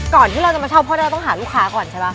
ที่เราจะมาเช่าพ่อเราต้องหาลูกค้าก่อนใช่ป่